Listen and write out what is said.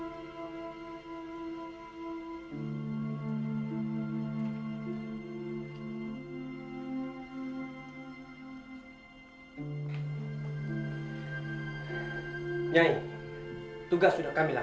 apa yang harus aku lakukan